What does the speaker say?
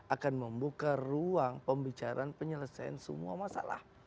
akan membuka ruang pembicaraan penyelesaian semua masalah